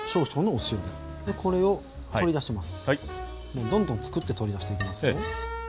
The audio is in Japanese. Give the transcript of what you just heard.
もうどんどんつくって取り出していきますよ。